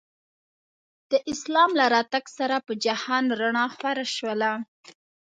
د اسلام له راتګ سره په جهان رڼا خوره شوله.